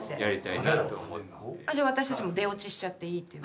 じゃ私たちも出オチしちゃっていいっていう？